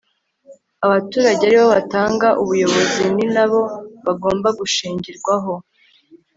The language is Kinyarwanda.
abaturage ari bo batanga ubuyobozi, ni na bo bagomba gushingirwaho